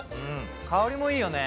香りもいいよね。